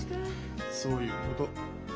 そういうこと。